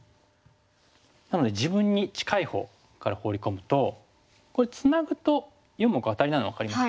なので自分に近いほうからホウリ込むとこれツナぐと４目アタリなの分かりますかね。